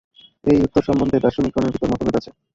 এই উত্তর সম্বন্ধে দার্শনিকগণের ভিতর মতভেদ আছে।